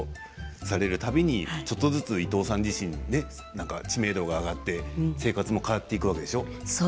毎日オンエアされるたびにちょっとずつ伊藤さん自身知名度が上がって生活も変わっていくわけでしょ？